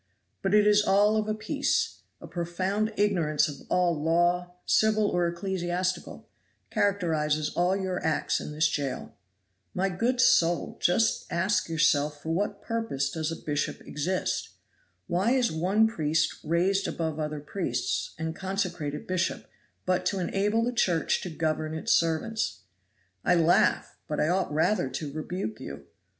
But it is all of a piece a profound ignorance of all law, civil or ecclesiastical, characterizes all your acts in this jail. My good soul, just ask yourself for what purpose does a bishop exist? Why is one priest raised above other priests, and consecrated bishop, but to enable the Church to govern its servants. I laugh but I ought rather to rebuke you.